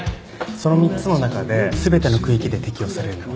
その３つの中で全ての区域で適用されるのは？